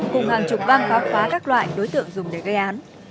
cùng hàng chục vang khó khóa các loại đối tượng dùng để gây án